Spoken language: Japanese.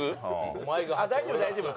大丈夫大丈夫。